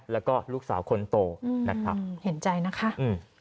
แล้วก็ลูกสาวคนโตเห็นใจนะคะ